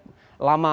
menabung sekian lama